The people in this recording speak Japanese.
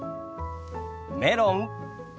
メロン。